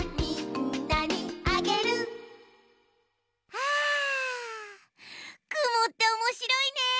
あぁくもっておもしろいね。